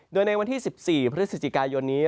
โดยในวันที่๑๔พฤศจิกายนนี้